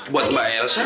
buat mbak elsa